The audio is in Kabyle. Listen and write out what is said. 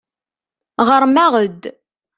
Ɣṛem-aɣ-d.